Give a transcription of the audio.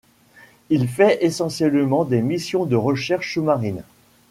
Il fait essentiellement des missions de recherche sous-marine.